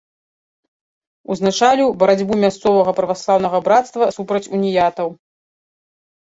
Узначаліў барацьбу мясцовага праваслаўнага брацтва супраць уніятаў.